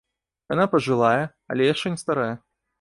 Яна пажылая, але яшчэ не старая.